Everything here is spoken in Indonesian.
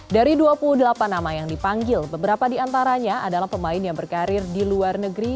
dari dua puluh delapan nama yang dipanggil beberapa diantaranya adalah pemain yang berkarir di luar negeri